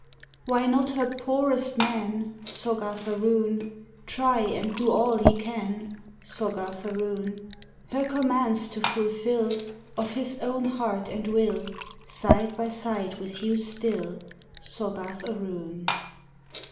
Why not her poorest man, Soggarth aroon, Try and do all he can, Soggarth aroon. Her commands to fulfil Of his own heart and will. Side by side with you still, Soggarth aroon?